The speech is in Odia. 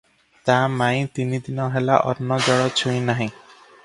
ତା ମାଇଁ ତିନି ଦିନ ହେଲା ଅନ୍ନ ଜଳ ଛୁଇଁ ନାହିଁ ।